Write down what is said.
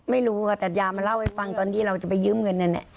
ไม่รู้อ่ะแต่อย่ามาเล่าให้ฟังตอนนี้เราจะไปยืมเงินอันนี้